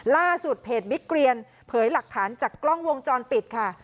ล่าสุดเพจบิ๊กเกรียนเผยหลักฐานจากกล้องวงจรปิดค่ะ